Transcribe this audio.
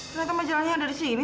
ternyata majalahnya ada di sini